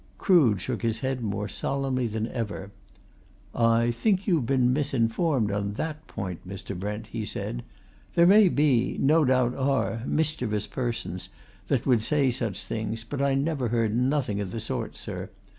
Crood shook his head more solemnly than ever. "I think you've been misinformed on that point, Mr. Brent," he said. "There may be no doubt are mischievous persons that would say such things, but I never heard nothing of the sort, sir.